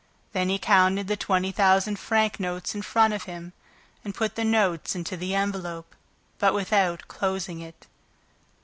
Then he counted the twenty thousand franc notes in front of him and put the notes into the envelope, but without closing it.